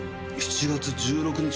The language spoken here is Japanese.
「７月１６日」